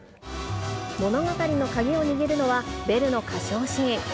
物語の鍵を握るのは、ベルの歌唱シーン。